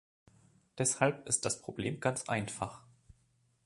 Deshalb ist das Problem ganz einfach.